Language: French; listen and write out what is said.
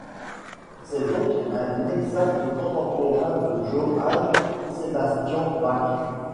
C'est donc un exact contemporain de Johann Sebastian Bach.